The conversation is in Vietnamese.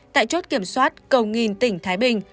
tại chốt kiểm soát cầu nghìn tỉnh thái bình